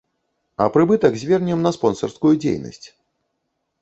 А прыбытак звернем на спонсарскую дзейнасць.